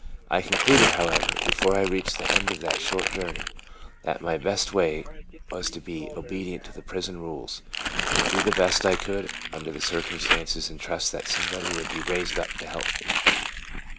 GOING TO PRISON. 13 I concluded, however, before I reached the end of that short journey, that my best way was to be obedient to prison rules, do the best I could under the circumstances, and trust that somebody would be raised up to help me.